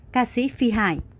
ca sĩ phi hải